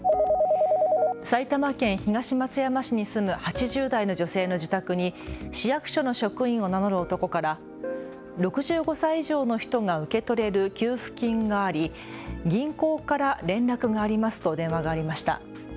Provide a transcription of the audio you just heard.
埼玉県東松山市に住む８０代の女性の自宅に市役所の職員を名乗る男から６５歳以上の人が受け取れる給付金があり、銀行から連絡がありますと電話がありました。